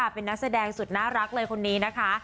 เป็นนักแสดงสุดน่ารักเลยคนนี้นะคะ